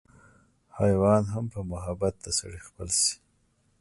حېوان هم پۀ محبت د سړي خپل شي